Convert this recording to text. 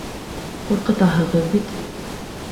Ҡурҡытаһығыҙ бит.